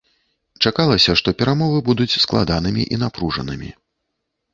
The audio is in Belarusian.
Чакалася, што перамовы будуць складанымі і напружанымі.